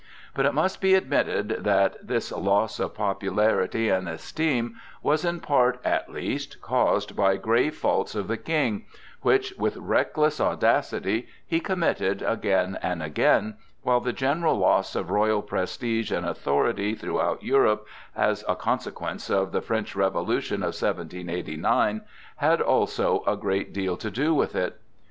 But it must be admitted that this loss of popularity and esteem was, in part at least, caused by grave faults of the King, which, with reckless audacity, he committed again and again, while the general loss of royal prestige and authority throughout Europe as a consequence of the French Revolution of 1789 had also a great deal to do with it.